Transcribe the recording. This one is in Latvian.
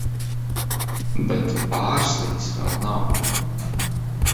Bet Pārsliņas vēl nav...